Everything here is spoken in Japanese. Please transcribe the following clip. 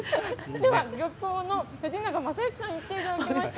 では、漁協の藤永雅之さんに来ていただきました。